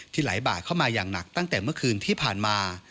ไหลบ่าเข้ามาอย่างหนักตั้งแต่เมื่อคืนที่ผ่านมา